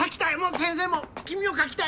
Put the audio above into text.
先生も君を描きたい！